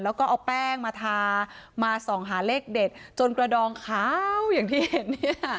แล้วก็เอาแป้งมาทามาส่องหาเลขเด็ดจนกระดองขาวอย่างที่เห็นเนี่ย